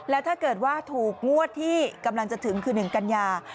แล้วถ้าเกิดว่าถูกงวดที่กำลังจะถึงคือ๑กันยา